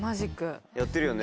やってるよね。